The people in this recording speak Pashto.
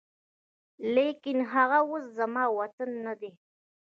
لاکن هغه اوس زما وطن نه دی